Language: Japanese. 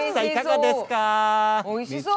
おいしそう。